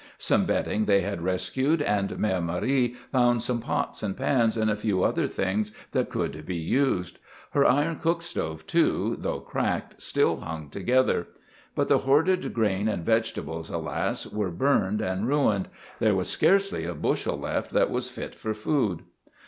Some bedding they had rescued, and Mère Marie found some pots and pans and a few other things that could be used. Her iron cook stove, too, though cracked, still hung together. But the hoarded grain and vegetables, alas! were burned and ruined; there was scarcely a bushel left that was fit for food.